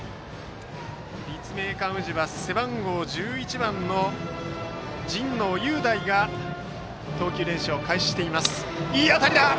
立命館宇治は背番号１１番の神農雄大が投球練習を開始しています。